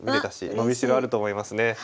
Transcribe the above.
伸び代あると思いますね。